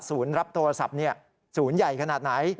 รับโทรศัพท์ศูนย์ใหญ่ขนาดไหน